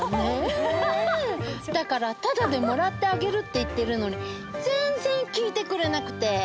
だからタダでもらってあげるって言ってるのに全然聞いてくれなくて。